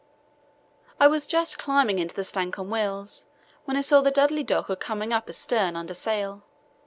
I was just climbing into the Stancomb Wills when I saw the Dudley Docker coming up astern under sail.